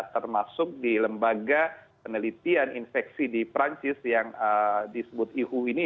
karena di indonesia terdapat banyak dari orang yang sudah mengalami kemungkinan infeksi di perancis yang disebut ihu ini